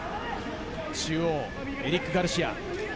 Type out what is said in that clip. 中央はエリック・ガルシア。